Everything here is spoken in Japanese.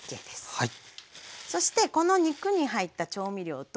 はい。